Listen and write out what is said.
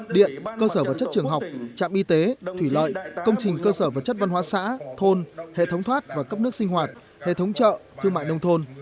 điện cơ sở vật chất trường học trạm y tế thủy lợi công trình cơ sở vật chất văn hóa xã thôn hệ thống thoát và cấp nước sinh hoạt hệ thống chợ thương mại nông thôn